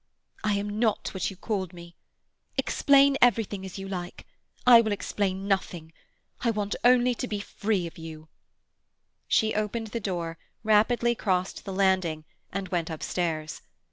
"I am not what you called me. Explain everything as you like. I will explain nothing. I want only to be free from you." She opened the door, rapidly crossed the landing, and went upstairs.